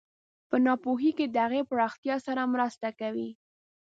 په ناپوهۍ کې د هغې پراختیا سره مرسته کوي.